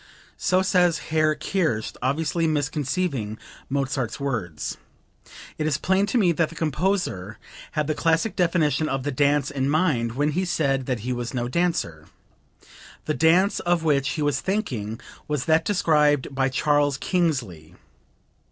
[So says Herr Kerst obviously misconceiving Mozart's words. It is plain to me that the composer had the classic definition of the dance in mind when he said that he was no dancer. The dance of which he was thinking was that described by Charles Kingsley.